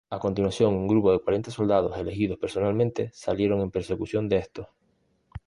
A continuación un grupo de cuarenta soldados elegidos personalmente salieron en persecución de estos.